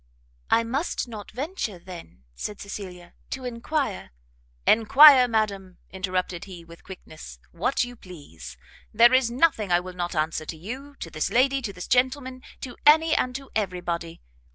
"I must not venture then," said Cecilia, "to enquire " "Enquire, madam," interrupted he, with quickness, "what you please: there is nothing I will not answer to you, to this lady, to this gentleman, to any and to every body.